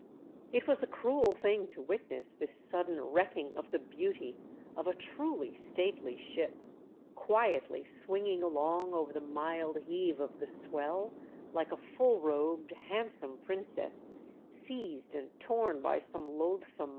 It was a cruel thing to witness, this sudden wrecking of the beauty of a truly stately ship, quietly swinging along over the mild heave of the swell, like a full robed, handsome princess seized and torn by some loathsome 36 THE DEATH SHIP.